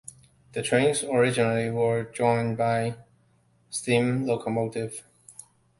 The trains originally were drawn by steam locomotives.